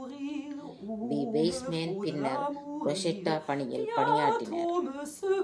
B. Weissman பின்னர் Rosetta பணியில் பணியாற்றினார்.